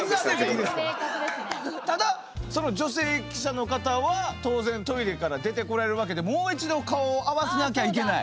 ただその女性記者の方は当然トイレから出てこられるわけでもう一度顔を合わせなきゃいけない。